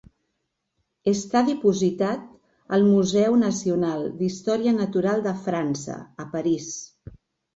Està dipositat al Museu Nacional d'Història Natural de França a París.